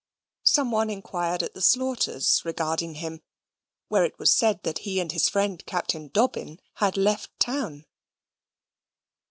Some one inquired at the Slaughters' regarding him, where it was said that he and his friend Captain Dobbin had left town.